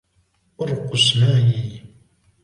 ارقص معي.